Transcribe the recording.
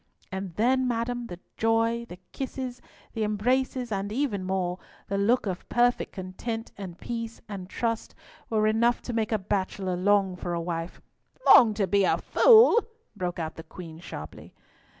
And then, madam, the joy, the kisses, the embraces, and even more—the look of perfect content, and peace, and trust, were enough to make a bachelor long for a wife." "Long to be a fool!" broke out the Queen sharply.